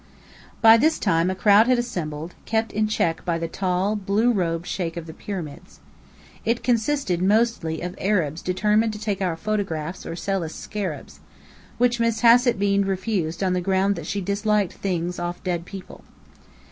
By this time a crowd had assembled, kept in check by the tall, blue robed sheikh of the Pyramids. It consisted mostly of Arabs determined to take our photographs or sell us scarabs which Miss Hassett Bean refused on the ground that she disliked things off dead people.